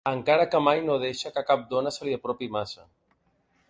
Encara que mai no deixa que cap dona se li apropi massa.